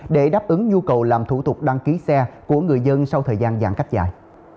để đáp ứng nhu cầu làm thủ tục đăng ký xe của người dân sau thời gian giãn cách dài